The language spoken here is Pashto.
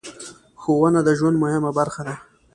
ښوونه د ژوند مهمه برخه ده.